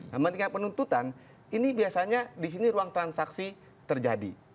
menghentikan penuntutan ini biasanya di sini ruang transaksi terjadi